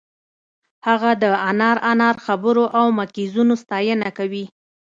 هغه د انار انار خبرو او مکیزونو ستاینه کوي